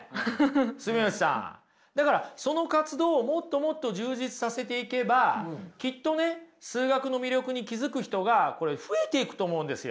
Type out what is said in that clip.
住吉さんだからその活動をもっともっと充実させていけばきっとね数学の魅力に気付く人がこれ増えていくと思うんですよ。